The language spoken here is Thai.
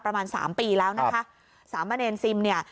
ประมาณสามปีแล้วนะคะสามเณรซิมเนี่ย